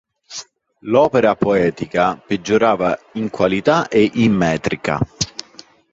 L'opera poetica peggiorava in qualità e in metrica.